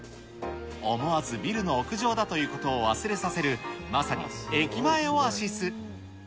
思わずビルの屋上だということを忘れさせる、まさに駅前オアシス。